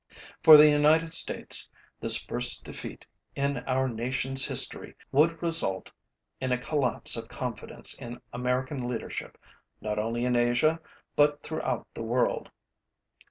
For the United States this first defeat in our nationÆs history would result in a collapse of confidence in American leadership not only in Asia but throughout the world.